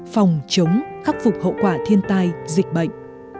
phòng chống khắc phục hậu quả thiên tai dịch bệnh